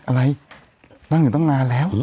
อะไรตั้งอยู่ตั้งนานแล้ว